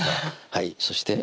はいそして？